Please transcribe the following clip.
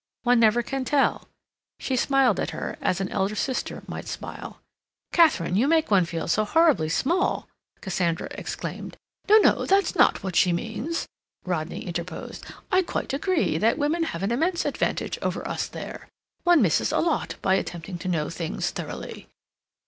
One never can tell." She smiled at her as an elder sister might smile. "Katharine, you make one feel so horribly small!" Cassandra exclaimed. "No, no, that's not what she means," Rodney interposed. "I quite agree that women have an immense advantage over us there. One misses a lot by attempting to know things thoroughly."